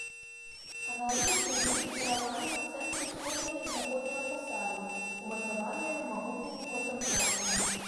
Аналагічна былі дэкараваны цэнтры ўсходняга і заходняга фасадаў, умацаваныя магутнымі контрфорсамі.